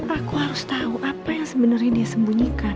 aku harus tau apa yang sebenernya dia sembunyikan